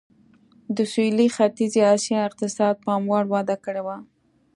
د سوېل ختیځې اسیا اقتصاد پاموړ وده کړې وه.